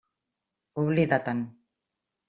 Oblida-te'n.